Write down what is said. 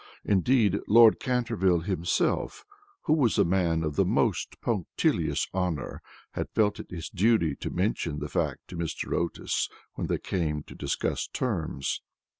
Indeed, Lord Canterville himself, who was a man of the most punctilious honor, had felt it his duty to mention the fact to Mr. Otis when they came to discuss terms.